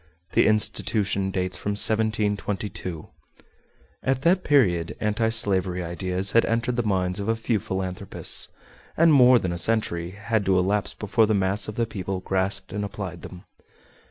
The institution dates from 1722. At that period anti slavery ideas had entered the minds of a few philanthropists, and more than a century had to elapse before the mass of the people grasped and applied them.